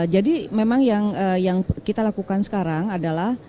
jadi memang yang kita lakukan sekarang adalah